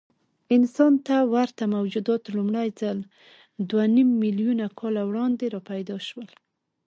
انسان ته ورته موجودات لومړی ځل دوهنیممیلیونه کاله وړاندې راپیدا شول.